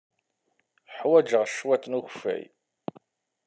Ḥwajeɣ cwiṭ n ukeffay.